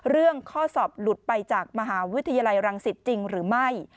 ข้อสอบหลุดไปจากมหาวิทยาลัยรังสิตจริงหรือไม่